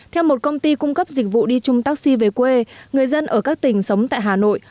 theo một công ty cung cấp dịch vụ đi chung taxi về quê người dân ở các tỉnh sống tại hà nội